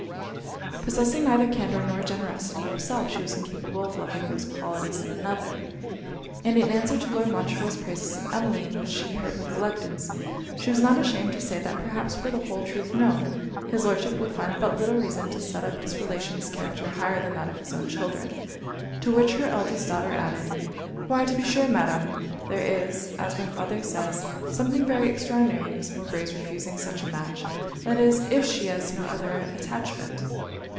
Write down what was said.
Possessing neither candour nor generosity herself, she was incapable of loving those qualities in another; and in answer to Lord Montreville's praises of Emmeline, which she heard with reluctance, she was not ashamed to say, that perhaps were the whole truth known, his Lordship would find but little reason to set up his relation's character higher than that of his own children to which her eldest daughter added 'Why, to be sure, Madam, there is, as my father says, something very extraordinary in Miss Mowbray's refusing such a match that is, if she has no other attachment.'